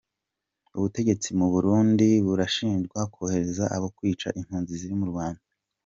Ubutegetsi mu Burundi burashinjwa kohereza abo kwica impunzi ziri mu Rwanda.